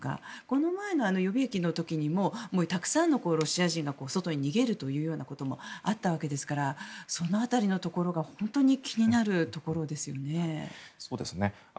この前の予備役の時もたくさんのロシア人が外に逃げるということもあったわけですからその辺りのところが本当に気になるところですね。